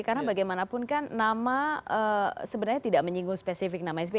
karena bagaimanapun kan nama sebenarnya tidak menyinggung spesifik nama sbi